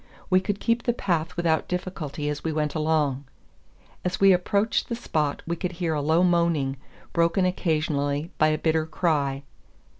We could keep the path without difficulty as we went along. As we approached the spot we could hear a low moaning, broken occasionally by a bitter cry.